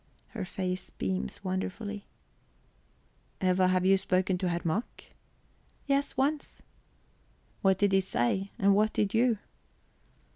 Her face beams wonderfully. "Eva, have you spoken to Herr Mack?" "Yes, once." "What did he say, and what did you?"